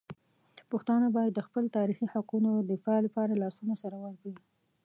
پښتانه باید د خپل تاریخي حقونو دفاع لپاره لاسونه سره ورکړي.